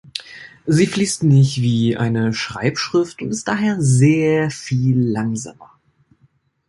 Sie fließt nicht wie eine Schreibschrift und ist daher sehr viel langsamer.